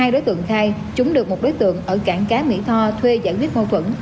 hai đối tượng khai chúng được một đối tượng ở cảng cá mỹ tho thuê giải quyết mâu thuẫn